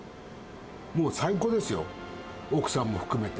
もう最高ですよ、奥さんも含めて。